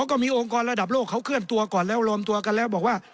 ก็มีองค์กรระดับโลกเขาเคลื่อนตัวก่อนแล้วรวมตัวกันแล้วบอกว่า